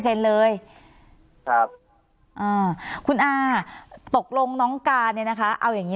ใช่ผู้ชายตรงน้องกานเนี่ยนะคะเอาอย่างนี้